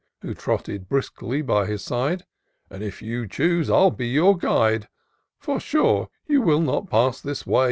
Who trotted briskly by his side, " And if you choose, 1*11 be your guide : For sure you will not pass this way.